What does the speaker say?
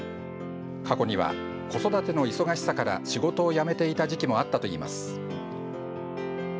過去には子育ての忙しさから仕事を辞めていた時期もあったといいます。